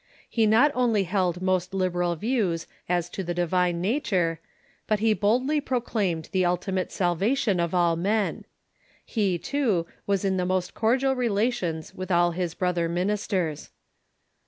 He not only held most liberal views as to the divine nature, but he boldly proclaimed the ultimate salvation of all men. He, too, was in the most cordial relations with all his brother minis ters.